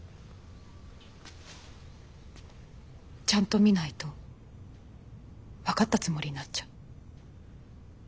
ちゃんと見ないと分かったつもりになっちゃう。